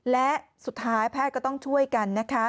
และสุดท้ายแพทย์ก็ต้องช่วยกันนะคะ